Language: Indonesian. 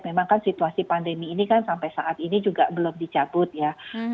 memang kan situasi pandemi ini kan sampai saat ini juga belum dicabut ya